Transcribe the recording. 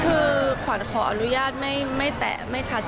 คือขวัญขออนุญาตไม่แตะไม่ชัด